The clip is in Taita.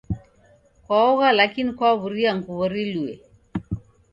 Kwaogha lakini kwaw'uria nguw'o riluye.